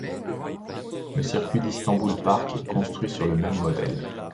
Le Circuit d'Istanbul Park est construit sur le même modèle.